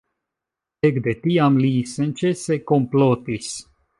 Ekde tiam li senĉese komplotis.